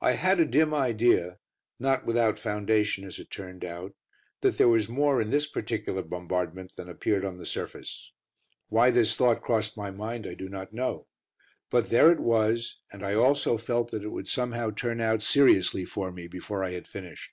I had a dim idea not without foundation, as it turned out that there was more in this particular bombardment than appeared on the surface. Why this thought crossed my mind I do not know. But there it was, and I also felt that it would somehow turn out seriously for me before I had finished.